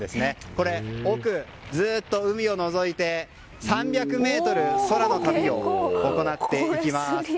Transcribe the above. これは奥、ずっと海を望めて３００ｍ空の旅を行っていきます。